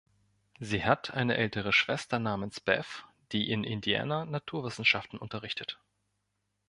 Sie hat eine ältere Schwester namens Beth, die in Indiana Naturwissenschaften unterrichtet.